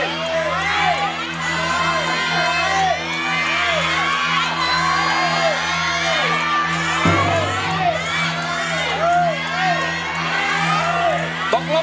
ตัดสินใจให้ดี